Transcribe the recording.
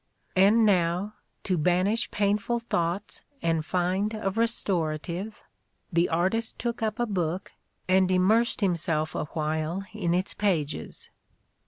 And now, to banish painful thoughts and find a restorative, the artist took up a book and immersed himself awhile in its pages.